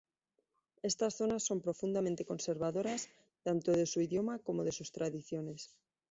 Estas zonas son profundamente conservadoras tanto de su idioma como de sus tradiciones.